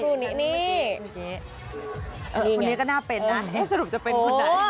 คนนี้ก็น่าเป็นสรุปจะเป็นคนไหน